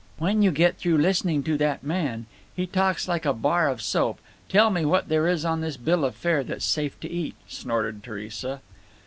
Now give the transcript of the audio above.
"When you get through listening to that man—he talks like a bar of soap—tell me what there is on this bill of fare that's safe to eat," snorted Theresa.